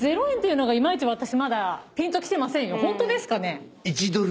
ホントですかね？